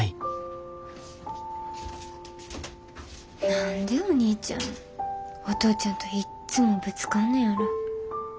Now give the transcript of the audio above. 何でお兄ちゃんお父ちゃんといっつもぶつかんねやろ。